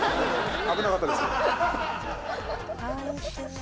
危なかったですよ。